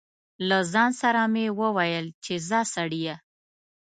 له ځان سره مې و ویل چې ځه سړیه.